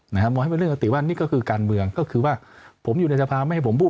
มองให้เป็นเรื่องปกติว่านี่ก็คือการเมืองก็คือว่าผมอยู่ในสภาไม่ให้ผมพูด